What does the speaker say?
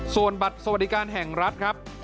ส่วนบัตรสวัสดิการแห่งรัฐครับ